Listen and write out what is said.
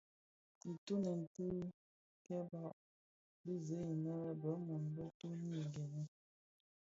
Itōnen kii keba bi zi innë bë-mun bë toni gènë.